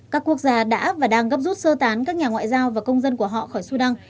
các quốc gia đã và đang gấp rút sơ tán các nhà ngoại giao và công dân của họ khỏi sudan